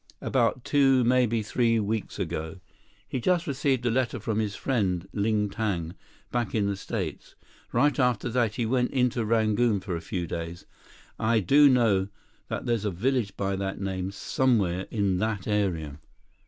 About two, maybe three weeks ago. He'd just received a letter from his friend, Ling Tang, back in the States. Right after that, he went into Rangoon for a few days. I do know that there's a village by that name somewhere in that area."